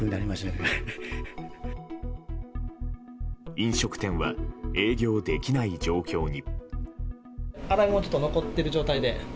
飲食店は営業できない状況に。